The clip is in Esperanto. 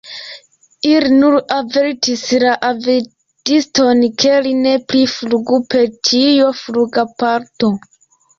Ili nur avertis la aviadiston, ke li ne plu flugu per tiu flugaparato.